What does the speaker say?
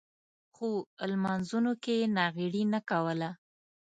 خو لمونځونو کې یې ناغېړي نه کوله.